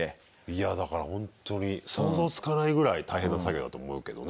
いやだからほんとに想像つかないぐらい大変な作業だと思うけどね。